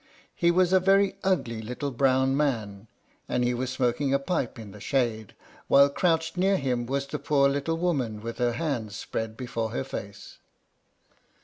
He was a very ugly little brown man, and he was smoking a pipe in the shade; while crouched near him was the poor little woman, with her hands spread before her face.